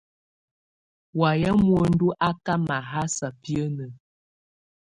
Wayɛ̀á muǝndu á ká mahása biǝ́nǝ́.